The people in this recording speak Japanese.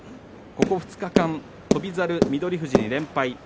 ここ２日間翔猿、翠富士に連敗。